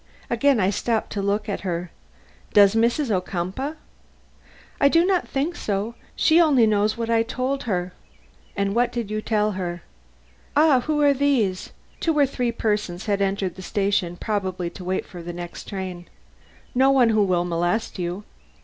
Again I stopped to look at her. "Does Mrs. Ocumpaugh?" "I do not think so. She only knows what I told her." "And what did you tell her?" "Ah! who are these?" Two or three persons had entered the station, probably to wait for the next train. "No one who will molest you."